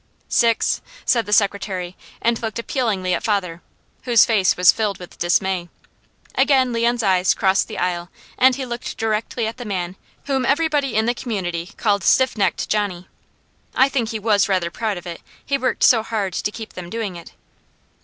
"Six," said the secretary and looked appealingly at father, whose face was filled with dismay. Again Leon's eyes crossed the aisle and he looked directly at the man whom everybody in the community called "Stiff necked Johnny." I think he was rather proud of it, he worked so hard to keep them doing it.